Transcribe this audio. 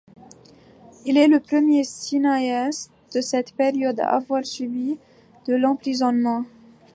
Il est le premier cinéaste de cette période à avoir subi de l'emprisonnement.